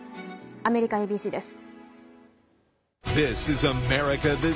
アメリカＡＢＣです。